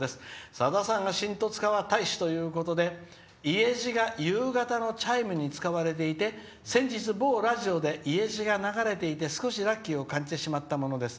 さださんが新十津川大使ということで「家路」が夕方のチャイムに使われていて先日、某ラジオで「家路」が流れていて少しラッキーを感じてしまったものです」。